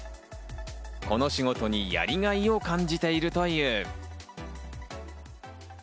この仕事にやりがいを感じているという。